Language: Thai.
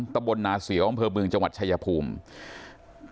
ตะบลนาเสียวอำเภอเมืองจังหวัดชายภูมิ